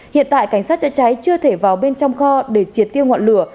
hiện tại cảnh sát chữa cháy chưa thể vào bên trong kho để triệt tiêu ngọn lửa